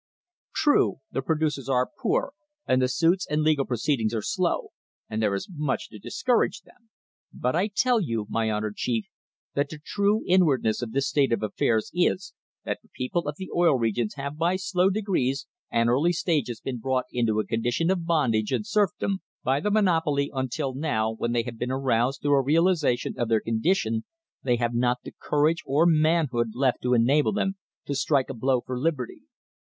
True, the producers are poor and the suits and legal proceedings are slow, and there is much to discourage them, but I tell you, my honoured chief, that the true inwardness of this state of affairs is, that the people of the Oil Regions have by slow degrees and easy stages been brought into a condition of bondage and serfdom by the monopoly, until now, when they have been aroused to a realisation of their con dition, they have not the courage and manhood left to enable them to strike a blow for liberty.